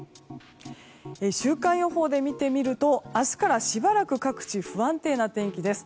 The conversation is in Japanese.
週間予報で見てみると明日からしばらく各地、不安定な天気です。